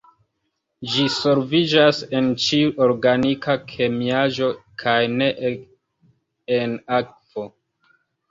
Ĝi solviĝas en ĉiu organika kemiaĵo kaj ne en akvo.